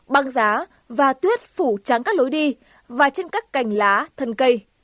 băng giá và tuyết phủ trắng các lối đi và trên các cành lá thân cây